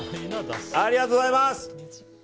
ありがとうございます！